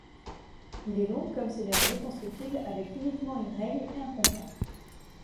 Il est donc, comme ce dernier, constructible avec uniquement une règle et un compas.